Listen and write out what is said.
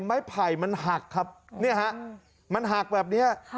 ไม้ไผ่มันหักครับมันหักแบบนี้